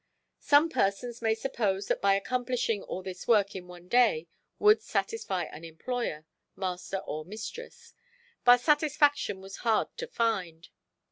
Some persons may suppose that by accomplishing all this work in one day would satisfy an employer, master or mistress, but satisfaction was hard to find.